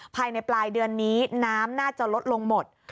ภายในปลายเดือนนี้น้ำน่าจะลดลงหมด